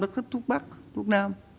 thích thuốc bác thuốc nam